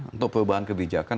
untuk perubahan kebijakan